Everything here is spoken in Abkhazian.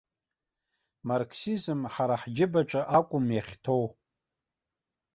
Марксизм ҳара ҳџьыбаҿы акәым иахьҭоу.